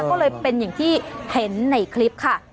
ก็เลยเป็นอย่างที่เห็นในคลิปค่ะ